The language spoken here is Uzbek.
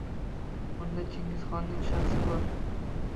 Unda Chingizxonning shaxsi bor.